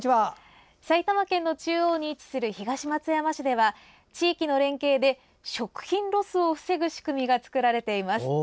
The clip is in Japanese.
埼玉県の中心の東松山市では地域の連携で、食品ロスを防ぐ仕組みが作られています。